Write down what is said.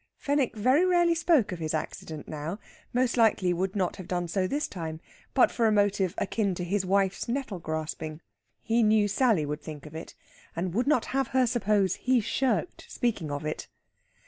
Fenwick very rarely spoke of his accident now; most likely would not have done so this time but for a motive akin to his wife's nettle grasping. He knew Sally would think of it, and would not have her suppose he shirked speaking of it.